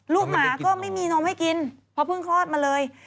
หมาก็ไม่มีนมให้กินเพราะเพิ่งคลอดมาเลย